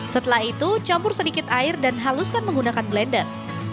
setelah itu campur sedikit air dan haluskan menggunakan blender